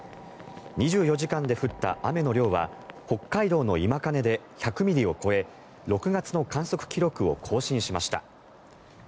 ２４時間で降った雨の量は北海道の今金で１００ミリを超え６月の観測記録を更新しました。